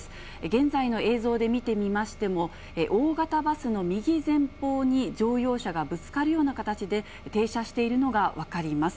現在の映像で見てみましても、大型バスの右前方に乗用車がぶつかるような形で停車しているのが分かります。